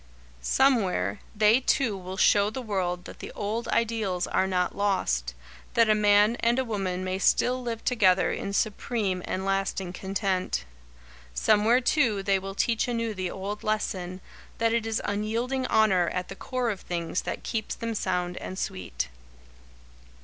Somewhere, they two will show the world that the old ideals are not lost; that a man and a woman may still live together in supreme and lasting content. Somewhere, too, they will teach anew the old lesson, that it is unyielding Honour at the core of things that keeps them sound and sweet.